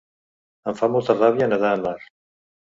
Em fa molta ràbia nedar en mar.